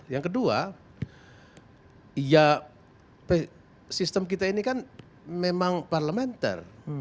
yang kedua ya sistem kita ini kan memang parlementer